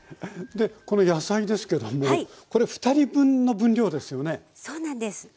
この野菜ですけどもこれ２人分の分量ですよね？